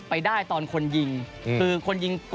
ไปได้ตอนคนยิง